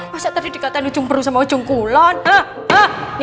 masa tadi dikatain ujung perut sama ujung kulon